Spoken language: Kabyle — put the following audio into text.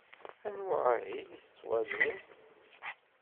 Anwa ahil i tettwaliḍ?